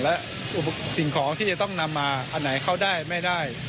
และสิ่งของที่จะต้องนำมาอันไหนเข้าได้ไม่ได้